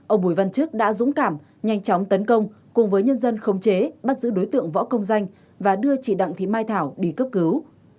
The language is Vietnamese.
ông bùi văn chức đã dũng cảm nhanh chóng tấn công cùng với nhân dân khống chế bắt giữ đối tượng võ công danh và đưa chị đặng thị mai thảo đi cấp cứu